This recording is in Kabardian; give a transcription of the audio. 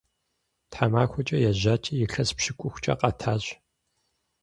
Тхьэмахуэкӏэ ежьати, илъэс пщыкӏухкӏэ къэтащ.